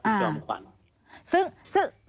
จุดตอบสมควร